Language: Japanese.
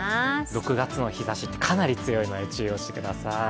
６月の日ざしってかなり強いので注意してください。